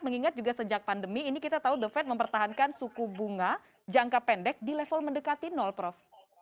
mengingat juga sejak pandemi ini kita tahu the fed mempertahankan suku bunga jangka pendek di level mendekati nol prof